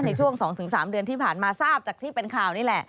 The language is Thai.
ในช่วง๒๓เดือนที่ผ่านมาทราบจากที่เป็นข่าวนี่แหละ